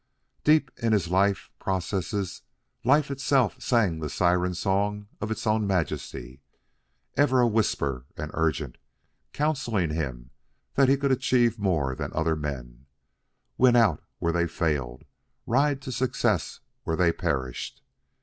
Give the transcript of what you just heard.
Deep in his life processes Life itself sang the siren song of its own majesty, ever a whisper and urgent, counseling him that he could achieve more than other men, win out where they failed, ride to success where they perished.